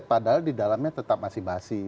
padahal di dalamnya tetap masih basi